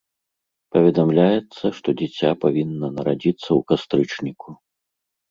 Паведамляецца, што дзіця павінна нарадзіцца ў кастрычніку.